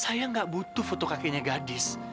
saya nggak butuh foto kakinya gadis